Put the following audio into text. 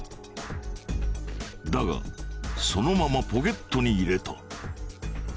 だがそのままポケットに入れた。